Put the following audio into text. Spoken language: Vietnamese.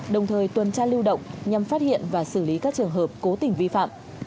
đồng thời tuần tra lưu động nhằm phát hiện và xử lý các trường hợp cố tình vi phạm